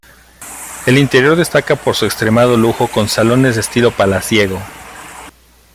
El interior destaca por su extremado lujo con salones de estilo palaciego.